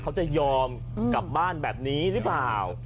เขาจะยอมกลับบ้านแบบนี้หรือเปล่า